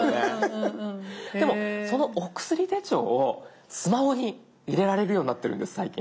でもそのお薬手帳をスマホに入れられるようになってるんです最近。